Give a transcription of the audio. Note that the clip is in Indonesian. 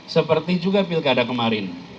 seperti juga pilkada kemarin